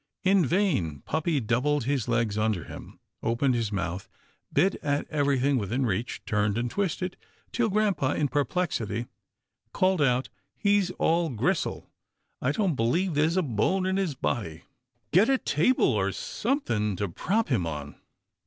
In vain ; puppy doubled his legs under him, opened his mouth, bit at everything within reach, turned and twisted, till grampa in perplexity called out, " He's all gristle — I don't believe there's a bone in his body. Get a table or something to prop him on."